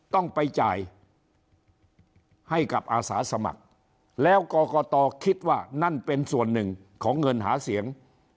ต้องไปจ่ายให้กับอาสาสมัครแล้วกรกตคิดว่านั่นเป็นส่วนหนึ่งของเงินหาเสียง